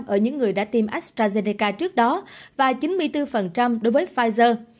ở những người đã tiêm astrazeneca trước đó và chín mươi bốn đối với pfizer